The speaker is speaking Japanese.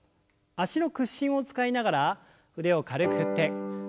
脚の屈伸を使いながら腕を軽く振って。